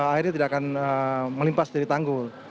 airnya tidak akan melimpas dari tanggul